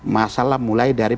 masalah mulai dari